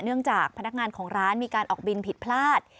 จากพนักงานของร้านมีการออกบินผิดพลาด